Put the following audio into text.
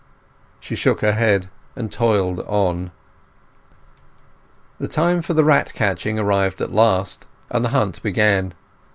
She shook her head and toiled on. The time for the rat catching arrived at last, and the hunt began.